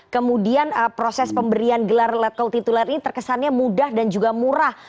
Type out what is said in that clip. kemudian proses pemberian gelar let call titular ini terkesannya mudah dan juga murah